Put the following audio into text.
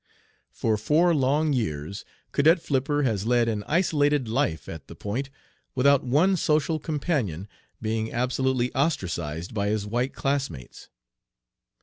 "For four long years Cadet Flipper has led an isolated life at the Point without one social companion, being absolutely ostracized by his white classmates.